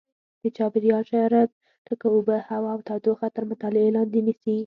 د چاپېریال شرایط لکه اوبه هوا او تودوخه تر مطالعې لاندې نیسي.